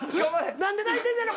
何で泣いてんやろ？